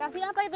kasih apa itu